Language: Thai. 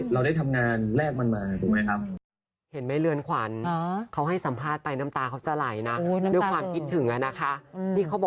เราได้ทำงานแรกมันมาถูกไหมครับ